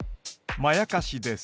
まやかしです。